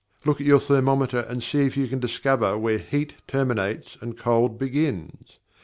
Look at your thermometer and see if you can discover where "heat" terminates and "cold" begins!